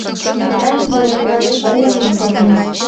Вара вольыклан олымым поген.